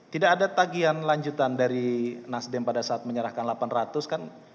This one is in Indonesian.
tidak ada tagihan lanjutan dari nasdem pada saat menyerahkan delapan ratus kan